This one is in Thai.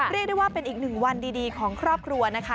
เรียกได้ว่าเป็นอีกหนึ่งวันดีของครอบครัวนะคะ